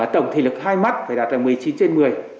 tổng thể lực hai mắt phải đạt được một mươi chín trên một mươi